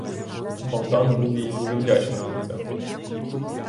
Богдан був їй дуже вдячний за це.